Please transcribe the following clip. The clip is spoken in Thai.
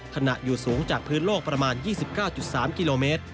ขณะอยู่สูงจากพื้นโลกประมาณ๒๙๓กิโลเมตร